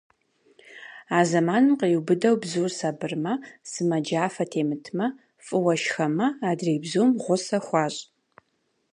А зэманым къриубыдэу бзур сабырмэ, сымаджафэ темытмэ, фӏыуэ шхэмэ, адрей бзум гъусэ хуащӏ.